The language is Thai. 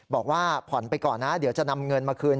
บอกว่าผ่อนไปก่อนนะเดี๋ยวจะนำเงินมาคืน